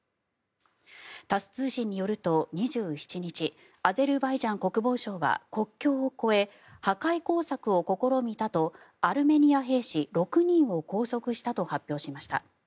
タス通信によると、２７日アゼルバイジャン国防省は国境を越え破壊工作を試みたとアルメニア兵士６人を拘束したと発表しました。